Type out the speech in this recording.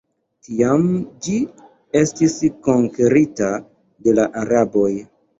Tiam ĝi estis konkerita de la araboj.